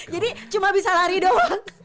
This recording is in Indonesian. jadi cuma bisa lari doang